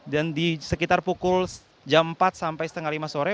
dan di sekitar pukul jam empat sampai setengah lima sore